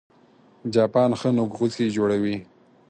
چاپان ښه نوک غوڅي جوړوي